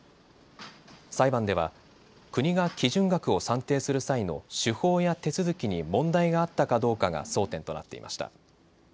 裁判では国が基準額を算定する際の手法や手続きに問題があったかどうかが争点となっていました。